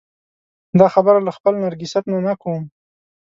دا خبره له خپل نرګسیت نه کوم.